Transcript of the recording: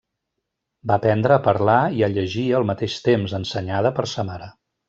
Va aprendre a parlar i a llegir al mateix temps, ensenyada per sa mare.